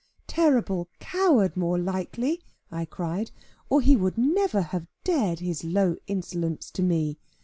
"Terrible coward more likely," I cried, "or he would never have dared his low insolence to me.